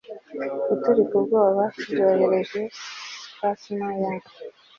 guturika ubwoba byohereje spasms ya